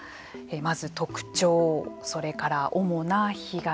まず特徴、それから主な被害